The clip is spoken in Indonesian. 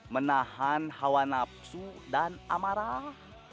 menahan hawa nafsu dan amarah